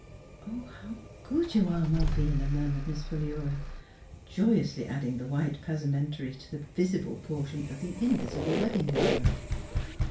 " How good you are, Malvina," mur mured Miss Philura, joyously adding the white passementerie to the visible portion of the invisible wedding garment.